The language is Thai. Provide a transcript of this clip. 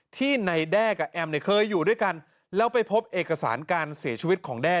ที่ในแด้กับแอมเนี่ยเคยอยู่ด้วยกันแล้วไปพบเอกสารการเสียชีวิตของแด้